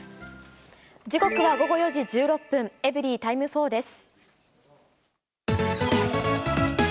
時刻は午後４時１６分、エブリィタイム４です。